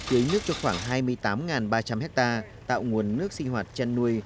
lấy nước cho khoảng hai mươi tám ba trăm linh hectare tạo nguồn nước sinh hoạt chăn nuôi